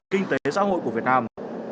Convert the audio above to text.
kinh tế xã hội của việt nam